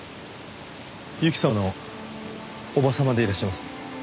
侑希さんの叔母様でいらっしゃいます？